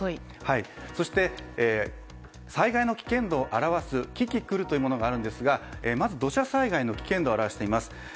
そして、災害の危険度を表すキキクルというものがあるんですがまず土砂災害の危険度を表しています。